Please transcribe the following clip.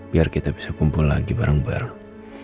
biar kita bisa kumpul lagi bareng bareng